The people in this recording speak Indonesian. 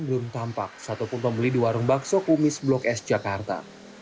belum tampak satupun pembeli di warung bakso kumis blok s jakarta